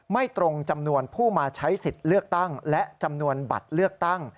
ไม่ตรงจำนวนผู้มาใช้สิทธิ์เลือกตั้งและจำนวนบัตรเลือกตั้ง